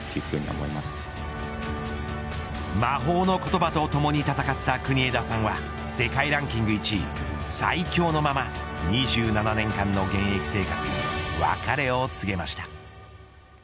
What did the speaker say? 魔法の言葉とともに戦った国枝さんは世界ランキング１位、最強のまま２７年間の現役生活に別れを告げました。